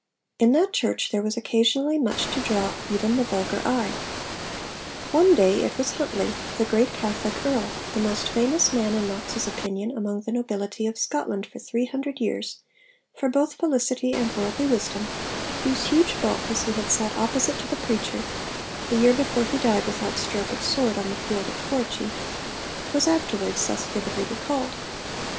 In that church there was occasionally much to draw even the vulgar eye. One day it was Huntly, the great Catholic Earl, the most famous man in Knox's opinion among the nobility of Scotland for three hundred years for 'both felicity and worldly wisdom,' whose huge bulk as he had sat opposite to the preacher (the year before he died 'without stroke of sword' on the field of Corrichie) was afterwards, thus vividly recalled.